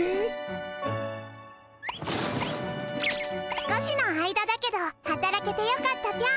少しの間だけどはたらけてよかったぴょん。